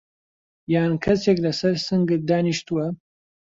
یان کەسێک لەسەر سنگت دانیشتووه؟